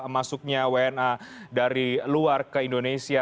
masuknya wna dari luar ke indonesia